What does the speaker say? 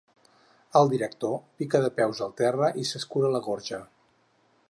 El director pica de peus al terra i s'escura la gorja.